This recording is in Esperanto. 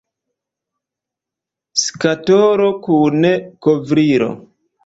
Skatolo kun kovrilo.